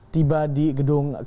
tiba di gedung kementerian